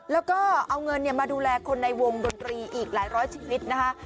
แล้วก็เอาเงินมาดูแลคนในวงดนตรีอีกหลายร้อยชีวิตนะคะ